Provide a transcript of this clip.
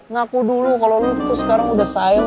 ngaku dulu kalau sekarang udah sayang